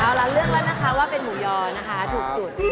เอาละเลือกแล้วนะคะว่าเป็นหมูยอนะคะถูกสุด